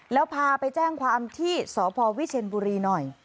แล้วพาไปแจ้งความที่สพวิเชียนบุรีหน่อย